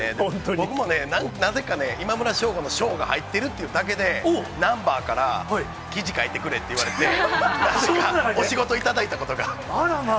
僕もね、なぜかね、今村翔吾の翔が入ってるっていうだけで、ナンバーから記事書いてくれって言われて、なぜかお仕事頂いたこあらまあ。